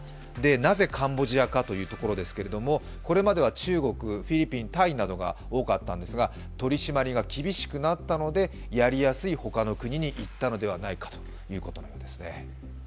なぜカンボジアかというところですけれども、これまでは中国、フィリピン、タイなどが多かったんですが取り締まりが厳しくなったのでやりやすい他の国に行ったのではないかということです。